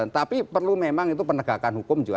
tapi perlu memang itu penegakan hukum juga